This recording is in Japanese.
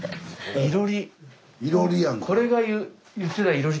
いろり。